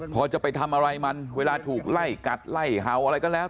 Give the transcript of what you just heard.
พอจะไปทำอะไรมันเวลาถูกไล่กัดไล่เห่าอะไรก็แล้ว